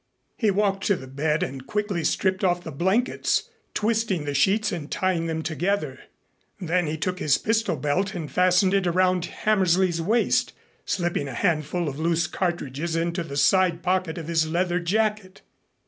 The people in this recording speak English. He walked to the bed and quickly stripped off the blankets, twisting the sheets and tying them together. Then he took his pistol belt and fastened it around Hammersley's waist, slipping a handful of loose cartridges into the side pocket of his leather jacket.